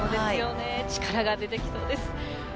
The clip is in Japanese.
力が出てきそうです。